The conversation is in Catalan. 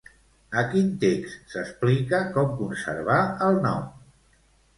A quin text s'explica com conservar el nom?